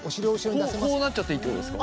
こうなっちゃっていいってことですか？